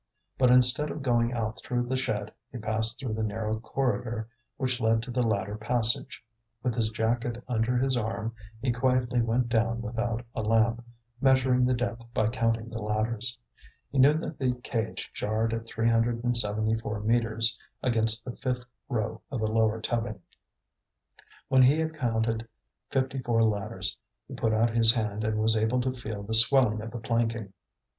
But instead of going out through the shed he passed through the narrow corridor which led to the ladder passage. With his jacket under his arm he quietly went down without a lamp, measuring the depth by counting the ladders. He knew that the cage jarred at three hundred and seventy four metres against the fifth row of the lower tubbing. When he had counted fifty four ladders he put out his hand and was able to feel the swelling of the planking.